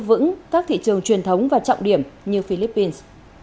vẫn giữ vững các thị trường truyền thống và trọng điểm như philippines